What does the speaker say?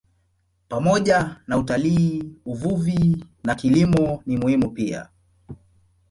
Pamoja na utalii, uvuvi na kilimo ni muhimu pia.